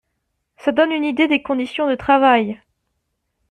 ça donne une idée des conditions de travail.